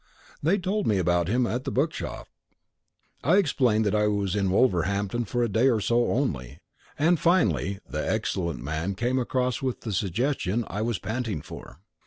"They told me about him at the bookshop." I explained that I was in Wolverhampton for a day or so only, and finally the excellent man came across with the suggestion I was panting for.